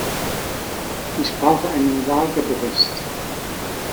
Ich brauche einen Lagebericht.